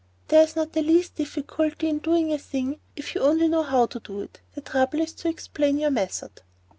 There is not the least difficulty in doing a thing if you only know how to do it; the trouble is to explain your method.